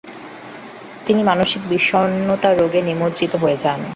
তিনি মানসিক বিষন্নতা রোগে নিমজ্জিত হয়ে যান।